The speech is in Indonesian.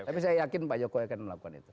tapi saya yakin pak jokowi akan melakukan itu